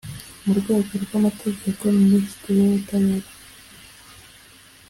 mu rwego rw amategeko minisitiri w ubutabera